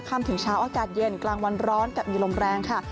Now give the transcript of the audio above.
ค่ำถึงเช้าอากาศเย็นกลางวันร้อนกับมีลมแรงค่ะ